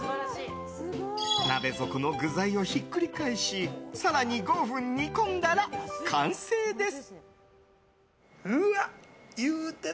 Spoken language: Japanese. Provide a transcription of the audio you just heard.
鍋底の具材をひっくり返し更に５分煮込んだら完成です。